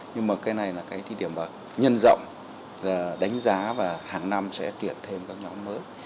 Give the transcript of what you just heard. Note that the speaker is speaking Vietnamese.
nhưng mà cái này là cái điểm mà nhân rộng đánh giá và hàng năm sẽ tuyển thêm các nhóm mới